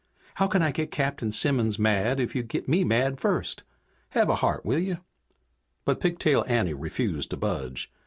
"How can I get Captain Simmons mad if you get me mad first? Have a heart, will you?" But Pigtail Anne refused to budge.